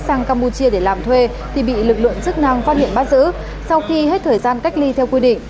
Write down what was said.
sang campuchia để làm thuê thì bị lực lượng chức năng phát hiện bắt giữ sau khi hết thời gian cách ly theo quy định